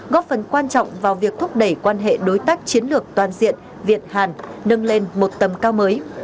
góp phần quan trọng vào việc thúc đẩy quan hệ đối tác chiến lược toàn diện việt hàn nâng lên một tầm cao mới